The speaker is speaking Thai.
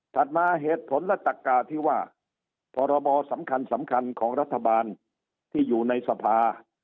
มาเหตุผลและตักกาที่ว่าพรบสำคัญสำคัญของรัฐบาลที่อยู่ในสภา